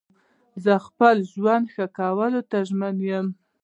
زه د خپل ژوند ښه کولو ته ژمن یم.